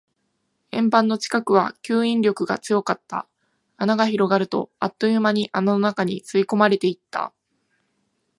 円盤の近くは吸引力が強かった。穴が広がると、あっという間に穴の中に吸い込まれていった。